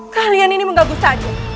kalian ini mengganggu saja